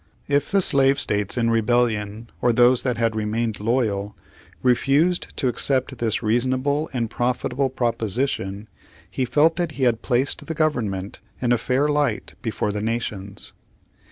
If the slave States in rebellion, or those that had remained loyal, refused to accept this reasonable and profitable proposition, he felt that he had placed the Government in a fair light before the nations.